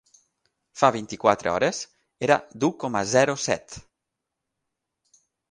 Fa vint-i-quatre hores era d’u coma zero set.